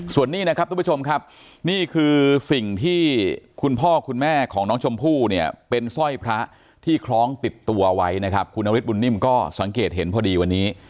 ส่วนนี้นะครับทุกผู้ชมครับนี่คือสิ่งที่คุณพ่อคุณแม่ของน้องชมพู่เนี่ยเป็นสร้อยพระที่คล้องติดตัวไว้นะครับคุณนฤทธบุญนิ่มก็สังเกตเห็นพอดีวันนี้